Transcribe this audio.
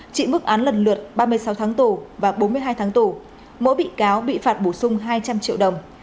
chịu mức án lần lượt ba mươi sáu tháng tù và bốn mươi hai tháng tù mỗi bị cáo bị phạt bổ sung hai trăm linh triệu đồng